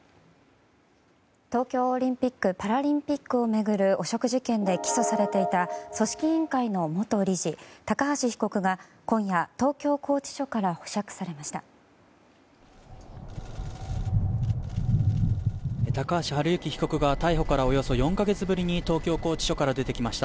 東京オリンピック・パラリンピックを巡る汚職事件で起訴されていた組織委員会の元理事高橋被告が今夜、東京拘置所から保釈されました。